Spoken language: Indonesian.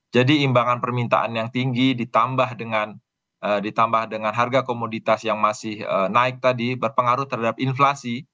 jadi imbangan permintaan yang tinggi ditambah dengan harga komoditas yang masih naik tadi berpengaruh terhadap inflasi